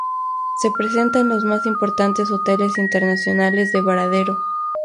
Se presenta en los más importantes hoteles internacionales de Varadero.